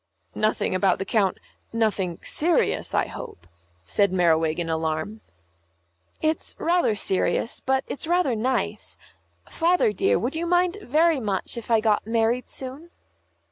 "Nothing about the Coun nothing serious, I hope," said Merriwig, in alarm. "It's rather serious, but it's rather nice. Father, dear, would you mind very much if I got married soon?"